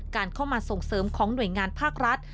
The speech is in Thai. การเข้ามาส่งเสริมของหน่วยงานภาครัฐ